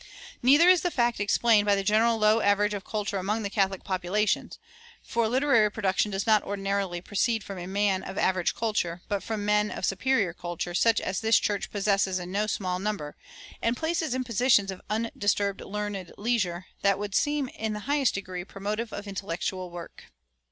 Neither is the fact explained by the general low average of culture among the Catholic population; for literary production does not ordinarily proceed from the man of average culture, but from men of superior culture, such as this church possesses in no small number, and places in positions of undisturbed "learned leisure" that would seem in the highest degree promotive of intellectual work.